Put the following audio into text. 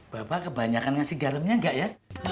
bapak kebanyakan ngasih garamnya enggak ya